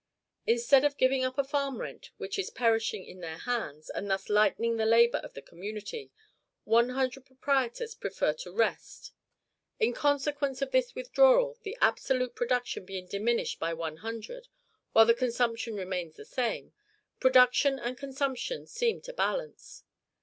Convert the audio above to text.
Instead of giving up a farm rent, which is perishing in their hands, and thus lightening the labor of the community, our hundred proprietors prefer to rest. In consequence of this withdrawal, the absolute production being diminished by one hundred, while the consumption remains the same, production and consumption seem to balance.